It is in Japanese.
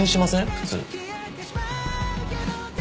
普通。